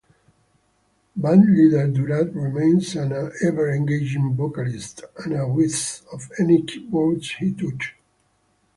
Bandleader Dural remains an ever-engaging vocalist and a whiz on any keyboard he touches.